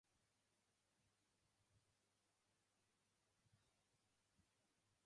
Maysey received the Air Force Cross posthumously.